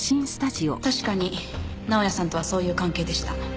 確かに直哉さんとはそういう関係でした。